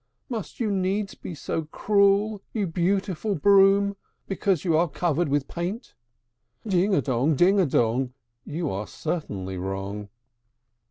Must you needs be so cruel, you beautiful Broom, Because you are covered with paint? Ding a dong, ding a dong! You are certainly wrong."